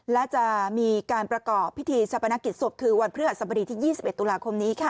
และจะมีการประกอบพิธีชาปนกิจศพคือวันพฤหัสบดีที่๒๑ตุลาคมนี้ค่ะ